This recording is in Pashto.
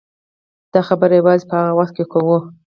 دا خبره یوازې په هغه وخت کوو.